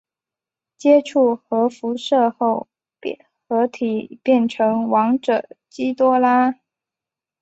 接触核辐射后合体变成王者基多拉。